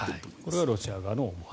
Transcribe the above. これはロシア側の思惑。